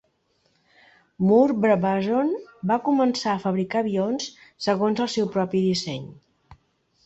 Moore-Brabazon va començar a fabricar avions segons el seu propi disseny.